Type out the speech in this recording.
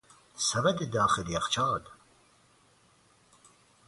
سبد داخل یخچال